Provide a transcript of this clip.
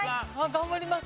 頑張ります。